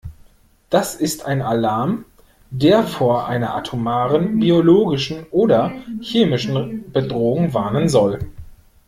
Das ist ein Alarm, der vor einer atomaren, biologischen oder chemischen Bedrohung warnen soll.